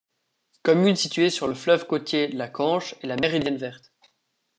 Commune située sur le fleuve côtier la Canche et la Méridienne verte.